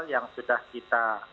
yang sudah kita